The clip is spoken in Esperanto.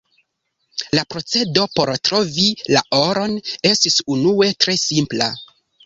La procedo por trovi la oron estis unue tre simpla.